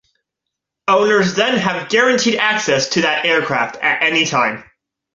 Owners then have guaranteed access to that aircraft at any time.